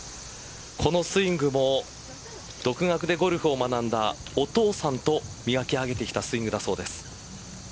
このスイングも独学でゴルフを学んだお父さんと磨き上げてきたスイングだそうです。